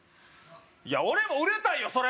いや俺も売れたいよ